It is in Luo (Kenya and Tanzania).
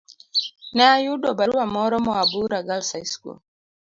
Ne ayudo barua moro moa Bura Girls' High School.